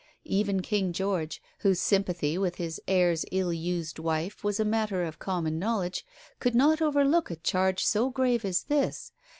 Even King George, whose sympathy with his heir's ill used wife was a matter of common knowledge, could not overlook a charge so grave as this.